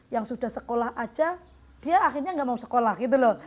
yang sudah sekolah aja dia akhirnya nggak mau sekolah gitu loh